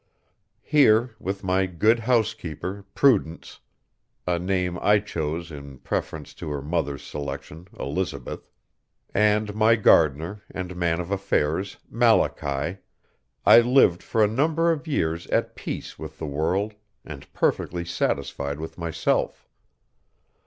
Here, with my good house keeper, Prudence a name I chose in preference to her mother's selection, Elizabeth and my gardener and man of affairs, Malachy, I lived for a number of years at peace with the world and perfectly satisfied with myself.